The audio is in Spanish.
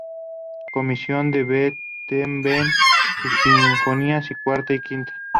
Comisionó a Beethoven sus Sinfonías Cuarta y Quinta.